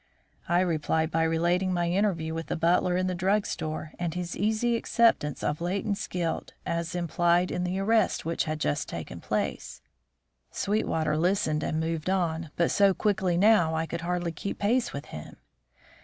I replied by relating my interview with the butler in the drug store, and his easy acceptance of Leighton's guilt as implied in the arrest which had just taken place. Sweetwater listened and moved on; but so quickly now I could hardly keep pace with him.